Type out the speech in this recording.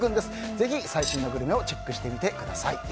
ぜひ最新のグルメをチェックしてみてください。